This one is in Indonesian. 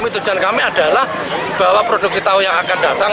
tujuan kami adalah bahwa produksi tahu yang akan datang